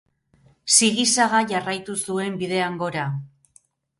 Sigi-saga jarraitu zuen bidean gora.